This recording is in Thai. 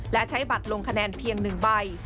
และใช้บัตรลงคะแนนเพียง๑ใบ